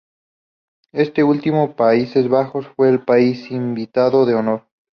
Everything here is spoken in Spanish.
Este último, Países Bajos, fue el país invitado de honor.